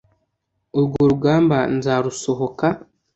urwo rugamba nzarusohoka